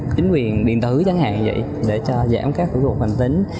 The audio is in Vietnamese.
chính quyền điện tử chẳng hạn như vậy để cho giảm các vụ hành tính